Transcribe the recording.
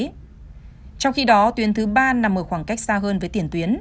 trong khi đó tuyến thứ ba nằm ở khoảng cách xa hơn với tiền tuyến